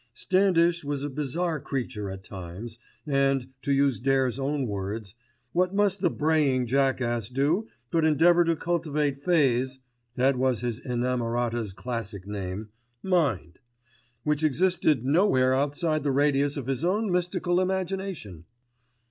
Standish was a bizarre creature at times, and, to use Dare's own words, "what must the braying jackass do but endeavour to cultivate Fay's (that was his inamorata's classic name) mind, which existed nowhere outside the radius of his own mystical imagination."